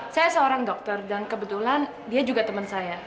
saya seorang dokter dan kebetulan dia juga teman saya